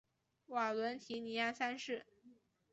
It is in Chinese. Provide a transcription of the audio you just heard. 瓦伦提尼安三世。